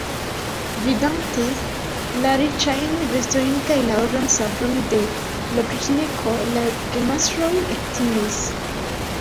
Vidante la riĉajn vestojn kaj la oran sabron de l' opriĉniko, la gemastroj ektimis.